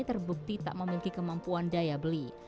terbukti tak memiliki kemampuan daya beli